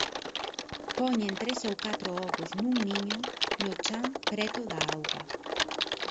Poñen tres ou catro ovos nun niño no chan preto da auga.